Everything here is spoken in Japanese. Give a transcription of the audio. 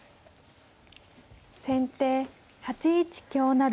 先手８一香成。